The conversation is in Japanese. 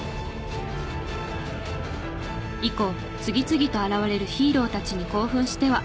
以降次々と現れるヒーローたちに興奮しては。